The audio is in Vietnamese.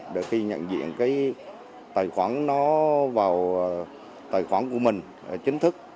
để khi nhận diện cái tài khoản nó vào tài khoản của mình chính thức